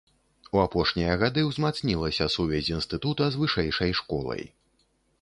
У апошнія гады ўзмацнілася сувязь інстытута з вышэйшай школай.